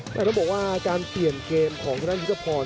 แล้วต้องบอกว่าการเปลี่ยนเกมของชาด้านวิทยาภรณ์